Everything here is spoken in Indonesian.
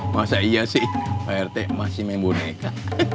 masa iya sih pak arte masih main boneka